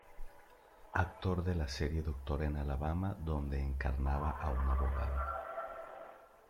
Actor de la serie "Doctora en Alabama" donde encarnaba a un abogado.